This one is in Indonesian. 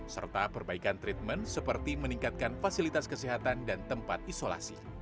serta perbaikan treatment seperti meningkatkan fasilitas kesehatan dan tempat isolasi